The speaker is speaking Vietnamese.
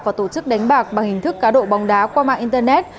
và tổ chức đánh bạc bằng hình thức cá độ bóng đá qua mạng internet